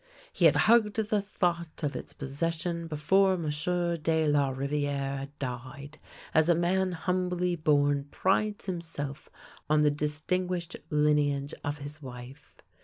He had hugged the thought of its pos session before M. de la Riviere died, as a man humbly born prides himself on the distinguished lineage of his wife.